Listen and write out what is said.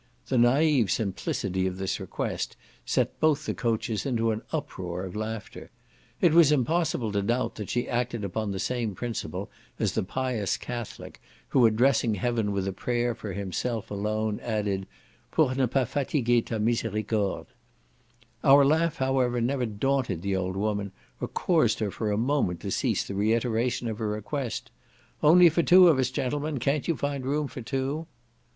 The naive simplicity of this request set both the coaches into an uproar of laughter. It was impossible to doubt that she acted upon the same principle as the pious Catholic, who addressing heaven with a prayer for himself alone, added "pour ne pas fatiguer ta miséricorde." Our laugh, however, never daunted the old woman, or caused her for a moment to cease the reiteration of her request, "only for two of us, gentlemen! can't you find room for two?"